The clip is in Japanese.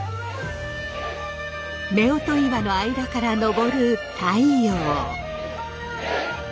夫婦岩の間から昇る太陽！